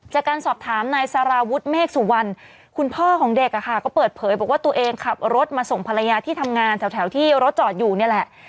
จากการสอบถามนายสารวุฒิเมฆสุวรรณคุณพ่อของเด็กก็เปิดเผยบอกว่าตัวเองขับรถมาส่งภรรยาที่ทำงานแถวที่รถจอดอยู่นี่แหละ